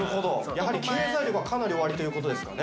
やはり経済力はかなりおありという事ですかね。